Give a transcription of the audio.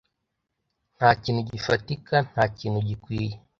ntakintu gifatika, ntakintu gikwiye